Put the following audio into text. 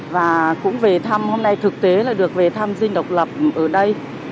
và cũng về thăm hôm nay thực tế là được về tham dinh độc lập ở đây